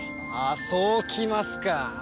あそうきますか！